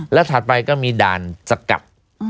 แล้วถัดไปก็มีด่านสกัด